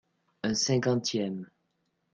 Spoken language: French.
Un cinquantième.